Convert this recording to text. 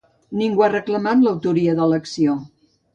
Ningú ha reclamat l’autoria de l’acció.